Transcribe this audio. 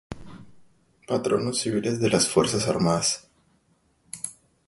Patronos Civiles de las Fuerzas Armadas